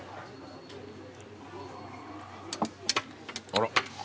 あら。